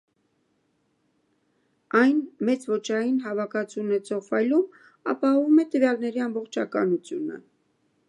Այն մեծ ոճային հավաքածու ունեցող ֆայլում ապահովում է տվյալների ամբողջականությունը։